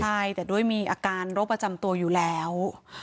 ใช่แต่ด้วยมีอาการโรคประจำตัวอยู่แล้ว